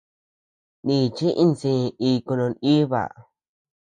Nichi iñsé iku no nʼiba.